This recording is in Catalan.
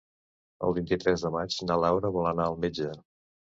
El vint-i-tres de maig na Laura vol anar al metge.